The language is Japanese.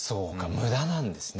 無駄なんですね